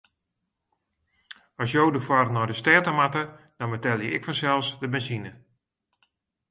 As jo derfoar nei de stêd ta moatte, dan betelje ik fansels de benzine.